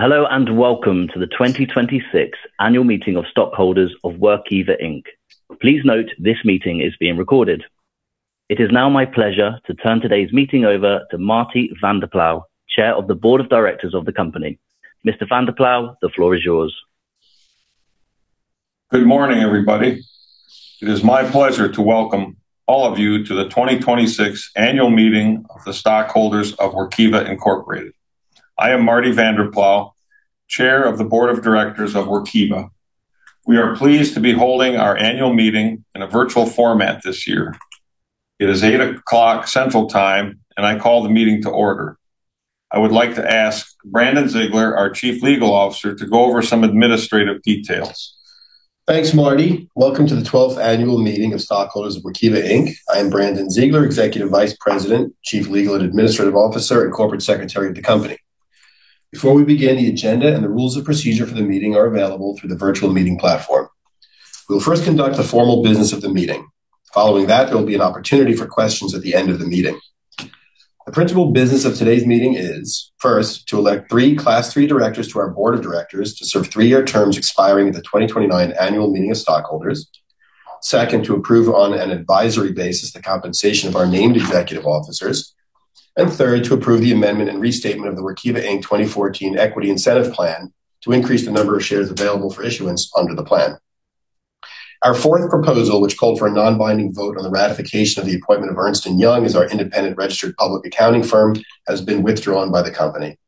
Hello, welcome to the 2026 Annual Meeting of Stockholders of Workiva Inc. Please note this meeting is being recorded. It is now my pleasure to turn today's meeting over to Marty Vanderploeg, Chair of the Board of Directors of the company. Mr. Vanderploeg, the floor is yours. Good morning, everybody. It is my pleasure to welcome all of you to the 2026 Annual Meeting of the Stockholders of Workiva Incorporated. I am Marty Vanderploeg, Chair of the Board of Directors of Workiva. We are pleased to be holding our annual meeting in a virtual format this year. It is 8:00 A.M. Central Time, and I call the meeting to order. I would like to ask Brandon Ziegler, our Chief Legal Officer, to go over some administrative details. Thanks, Marty. Welcome to the 12th Annual Meeting of Stockholders of Workiva Inc. I am Brandon Ziegler, Executive Vice President, Chief Legal and Administrative Officer, and Corporate Secretary of the company. Before we begin, the agenda and the rules of procedure for the meeting are available through the virtual meeting platform. We will first conduct the formal business of the meeting. Following that, there will be an opportunity for questions at the end of the meeting. The principal business of today's meeting is, first, to elect three Class III directors to our board of directors to serve three-year terms expiring at the 2029 Annual Meeting of Stockholders. Second, to approve on an advisory basis the compensation of our named executive officers. Third, to approve the amendment and restatement of the Workiva Inc. 2014 Equity Incentive Plan to increase the number of shares available for issuance under the plan. Our fourth proposal, which called for a non-binding vote on the ratification of the appointment of Ernst & Young as our independent registered public accounting firm, has been withdrawn by the company.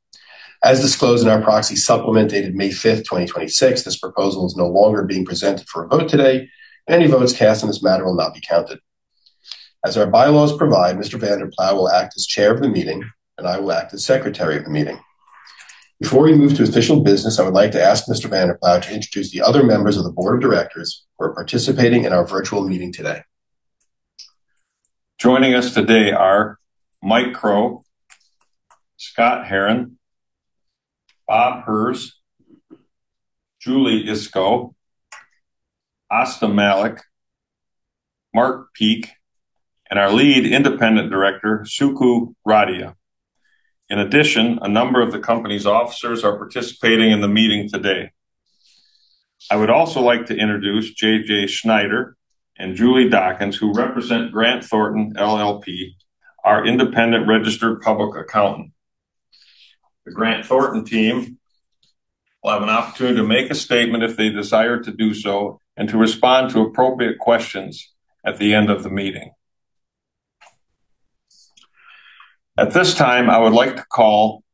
As disclosed in our proxy supplement dated May 5th, 2026, this proposal is no longer being presented for a vote today. Any votes cast on this matter will not be counted. As our bylaws provide, Mr. Vanderploeg will act as chair of the meeting, and I will act as secretary of the meeting. Before we move to official business, I would like to ask Mr. Vanderploeg to introduce the other members of the Board of Directors who are participating in our virtual meeting today. Joining us today are Mike Crow, Scott Herren, Bob Herz, Julie Iskow, Astha Malik, Mark Peek, and our lead independent director, Suku Radia. In addition, a number of the company's officers are participating in the meeting today. I would also like to introduce JJ Schneider and Julie Dawkins, who represent Grant Thornton LLP, our independent registered public accountant. The Grant Thornton team will have an opportunity to make a statement if they desire to do so and to respond to appropriate questions at the end of the meeting. At this time, I would like to call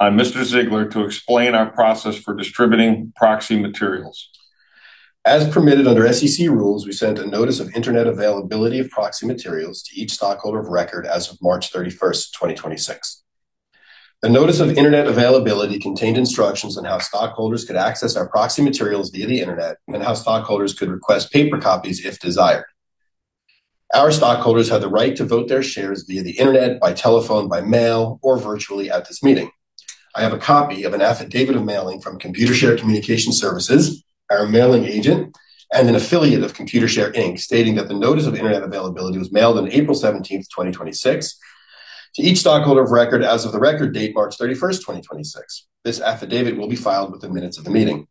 on Mr. Ziegler to explain our process for distributing proxy materials. As permitted under SEC rules, we sent a Notice of Internet Availability of Proxy Materials to each stockholder of record as of March 31st, 2026. The Notice of Internet Availability contained instructions on how stockholders could access our proxy materials via the Internet and how stockholders could request paper copies if desired. Our stockholders have the right to vote their shares via the Internet, by telephone, by mail, or virtually at this meeting. I have a copy of an affidavit of mailing from Computershare Communication Services, our mailing agent and an affiliate of Computershare Inc., stating that the Notice of Internet Availability was mailed on April 17th, 2026, to each stockholder of record as of the record date, March 31st, 2026. This affidavit will be filed with the minutes of the meeting.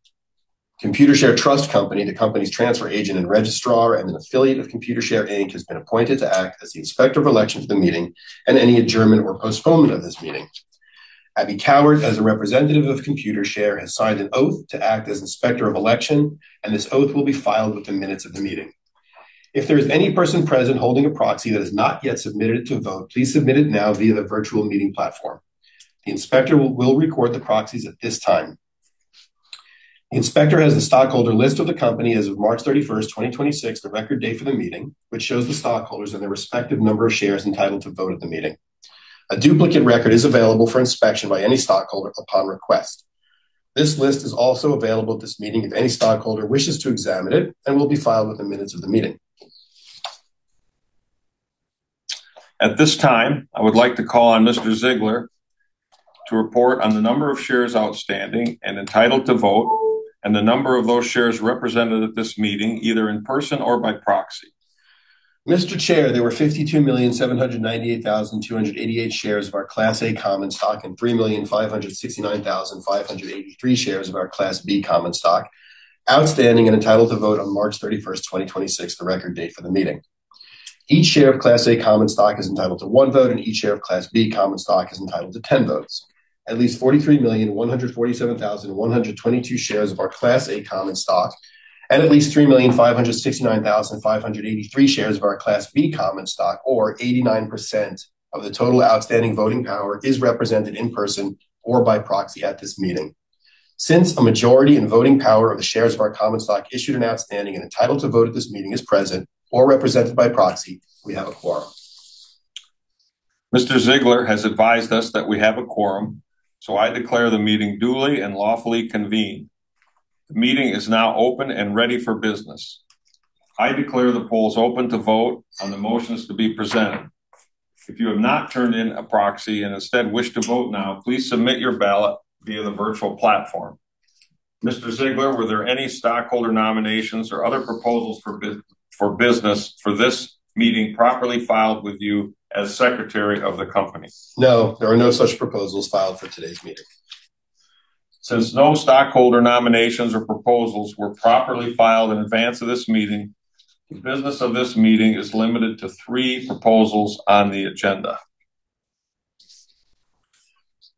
Computershare Trust Company, National Association, the company's transfer agent and registrar, and an affiliate of Computershare Inc., has been appointed to act as the inspector of election for the meeting and any adjournment or postponement of this meeting. Abby Cowart, as a representative of Computershare, has signed an oath to act as inspector of election, and this oath will be filed with the minutes of the meeting. If there is any person present holding a proxy that has not yet submitted it to vote, please submit it now via the virtual meeting platform. The inspector will record the proxies at this time. The inspector has the stockholder list of the company as of March 31st, 2026, the record date for the meeting, which shows the stockholders and their respective number of shares entitled to vote at the meeting. A duplicate record is available for inspection by any stockholder upon request. This list is also available at this meeting if any stockholder wishes to examine it and will be filed with the minutes of the meeting. At this time, I would like to call on Mr. Ziegler to report on the number of shares outstanding and entitled to vote and the number of those shares represented at this meeting, either in person or by proxy. Mr. Chair, there were 52,798,288 shares of our Class A common stock and 3,569,583 shares of our Class B common stock outstanding and entitled to vote on March 31st, 2026, the record date for the meeting. Each share of Class A common stock is entitled to one vote, and each share of Class B common stock is entitled to 10 votes. At least 43,147,122 shares of our Class A common stock and at least 3,569,583 shares of our Class B common stock, or 89% of the total outstanding voting power, is represented in person or by proxy at this meeting. Since a majority in voting power of the shares of our common stock issued and outstanding and entitled to vote at this meeting is present or represented by proxy, we have a quorum. Mr. Ziegler has advised us that we have a quorum. I declare the meeting duly and lawfully convened. The meeting is now open and ready for business. I declare the polls open to vote on the motions to be presented. If you have not turned in a proxy and instead wish to vote now, please submit your ballot via the virtual platform. Mr. Ziegler, were there any stockholder nominations or other proposals for business for this meeting properly filed with you as Secretary of the company? No, there are no such proposals filed for today's meeting. Since no stockholder nominations or proposals were properly filed in advance of this meeting, the business of this meeting is limited to three proposals on the agenda.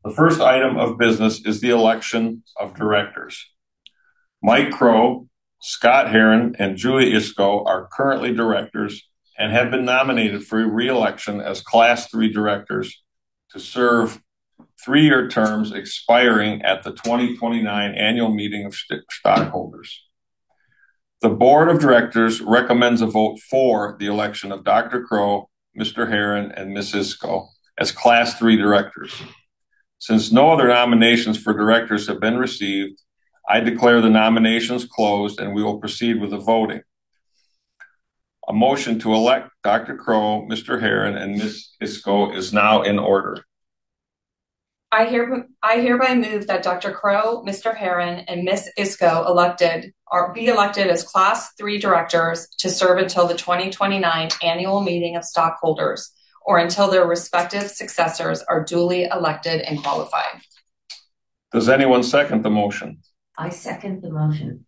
The first item of business is the election of directors. Mike Crow, Scott Herren, and Julie Iskow are currently directors and have been nominated for re-election as Class III directors to serve three-year terms expiring at the 2029 Annual Meeting of Stockholders. The board of directors recommends a vote for the election of Dr. Crow, Mr. Herren, and Ms. Iskow as Class III directors. Since no other nominations for directors have been received, I declare the nominations closed, and we will proceed with the voting. A motion to elect Dr. Crow, Mr. Herren, and Ms. Iskow is now in order. I hereby move that Dr. Crow, Mr. Herren, and Ms. Iskow be elected as Class III directors to serve until the 2029 Annual Meeting of Stockholders or until their respective successors are duly elected and qualified. Does anyone second the motion? I second the motion.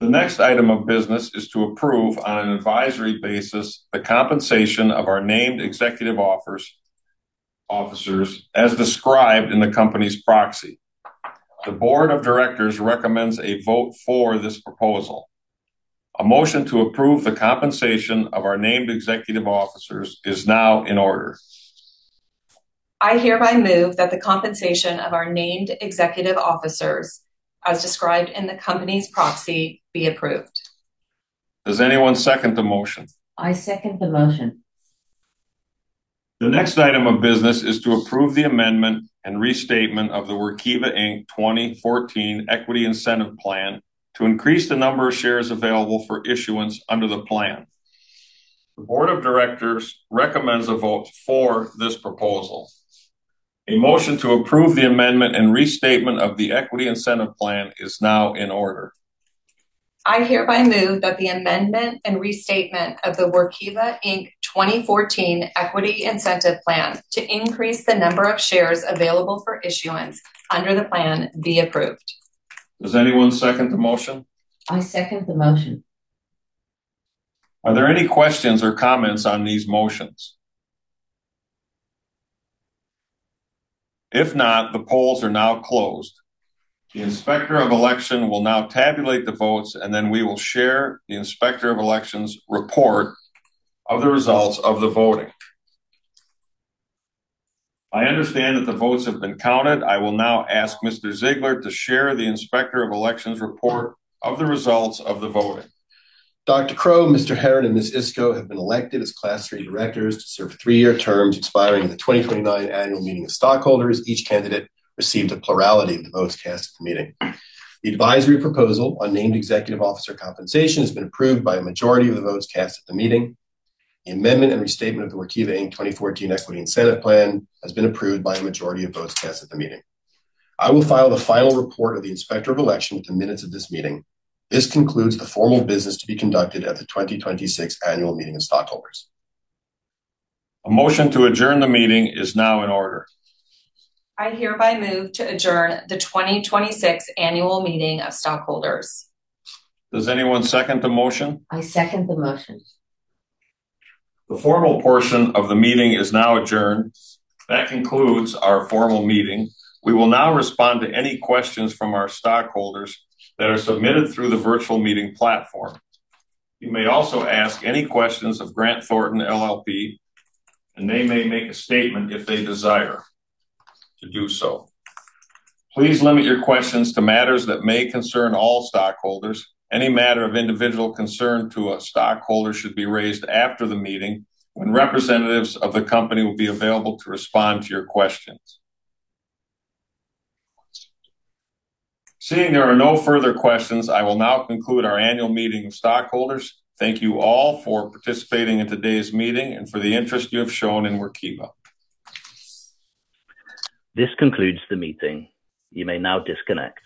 The next item of business is to approve on an advisory basis the compensation of our named executive officers as described in the company's proxy. The board of directors recommends a vote for this proposal. A motion to approve the compensation of our named executive officers is now in order. I hereby move that the compensation of our named executive officers, as described in the company's proxy, be approved. Does anyone second the motion? I second the motion. The next item of business is to approve the amendment and restatement of the Workiva Inc. 2014 Equity Incentive Plan to increase the number of shares available for issuance under the plan. The board of directors recommends a vote for this proposal. A motion to approve the amendment and restatement of the equity incentive plan is now in order. I hereby move that the amendment and restatement of the Workiva Inc. 2014 Equity Incentive Plan to increase the number of shares available for issuance under the plan be approved. Does anyone second the motion? I second the motion. Are there any questions or comments on these motions? If not, the polls are now closed. The Inspector of Election will now tabulate the votes, and then we will share the Inspector of Election's report of the results of the voting. I understand that the votes have been counted. I will now ask Mr. Ziegler to share the Inspector of Election's report of the results of the voting. Dr. Crow, Mr. Herren, and Ms. Iskow have been elected as Class III directors to serve three-year terms expiring at the 2029 Annual Meeting of Stockholders. Each candidate received a plurality of the votes cast at the meeting. The advisory proposal on named executive officer compensation has been approved by a majority of the votes cast at the meeting. The amendment and restatement of the Workiva Inc. 2014 Equity Incentive Plan has been approved by a majority of votes cast at the meeting. I will file the final report of the Inspector of Election with the minutes of this meeting. This concludes the formal business to be conducted at the 2026 Annual Meeting of Stockholders. A motion to adjourn the meeting is now in order. I hereby move to adjourn the 2026 Annual Meeting of Stockholders. Does anyone second the motion? I second the motion. The formal portion of the meeting is now adjourned. That concludes our formal meeting. We will now respond to any questions from our stockholders that are submitted through the virtual meeting platform. You may also ask any questions of Grant Thornton LLP, and they may make a statement if they desire to do so. Please limit your questions to matters that may concern all stockholders. Any matter of individual concern to a stockholder should be raised after the meeting when representatives of the company will be available to respond to your questions. Seeing there are no further questions, I will now conclude our Annual Meeting of Stockholders. Thank you all for participating in today's meeting and for the interest you have shown in Workiva. This concludes the meeting. You may now disconnect.